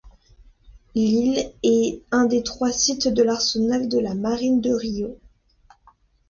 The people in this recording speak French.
L'île est un des trois sites de l'arsenal de la marine de Rio.